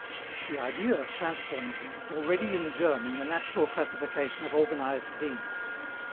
The idea of transformism is already in germ in the natural classification of organized beings.